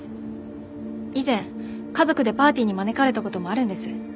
以前家族でパーティーに招かれた事もあるんです。